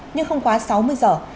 nhưng không quá sáu mươi giờ